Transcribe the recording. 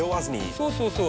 そうそうそう。